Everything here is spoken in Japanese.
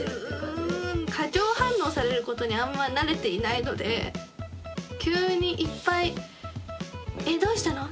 過剰反応されることにあんま慣れていないので急にいっぱい「えどうしたの？